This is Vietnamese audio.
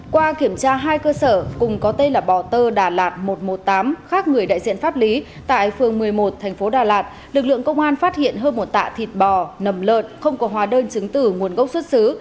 qua kiểm tra hai cơ sở cùng có tên là bò tơ đà lạt một trăm một mươi tám khác người đại diện pháp lý tại phường một mươi một thành phố đà lạt lực lượng công an phát hiện hơn một tạ thịt bò nầm lợn không có hóa đơn chứng tử nguồn gốc xuất xứ